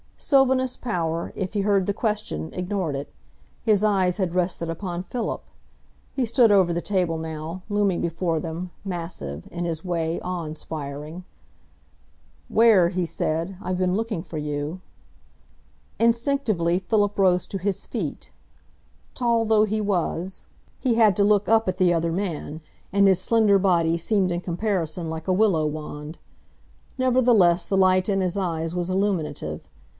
Sylvanus Power, if he heard the question, ignored it. His eyes had rested upon Philip. He stood over the table now, looming before them, massive, in his way awe inspiring. "Ware," he said, "I've been looking for you." Instinctively Philip rose to his feet. Tall though he was, he had to look up at the other man, and his slender body seemed in comparison like a willow wand. Nevertheless, the light in his eyes was illuminative.